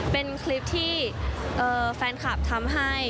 เป็นคลิปที่แฟนคลับทำให้